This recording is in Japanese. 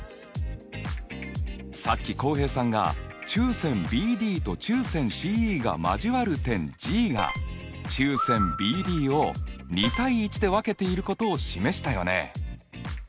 さっき浩平さんが中線ＢＤと中線ＣＥが交わる点Ｇが中線ＢＤを２：１で分けていることを示したよね。